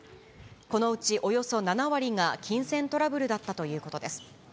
このうちおよそ７割が金銭トラブルだったということです。